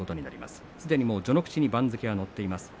すでに序ノ口で番付がのっています。